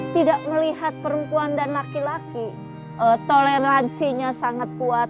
tidak melihat perempuan dan laki laki toleransinya sangat kuat